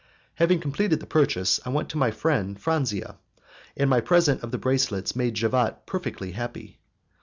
Having completed the purchase, I went to my friend, Franzia, and my present of the bracelets made Javotte perfectly happy.